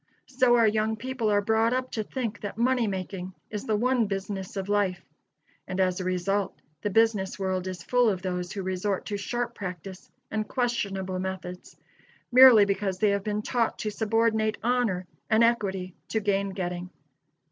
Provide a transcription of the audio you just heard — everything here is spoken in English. So our young people are brought up to think that money making is the one business of life; and as a result the business world is full of those who resort to sharp practice and questionable methods, merely because they have been taught to subordinate honor and equity to gain getting.